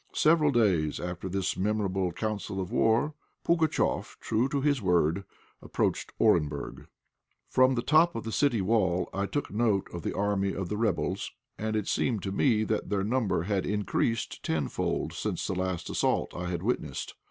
Several days after this memorable council of war, Pugatchéf, true to his word, approached Orenburg. From the top of the city wall I took note of the army of the rebels, and it seemed to me that their number had increased tenfold since the last assault I had witnessed.